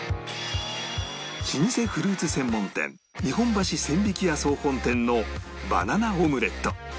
老舗フルーツ専門店日本橋千疋屋総本店のバナナオムレット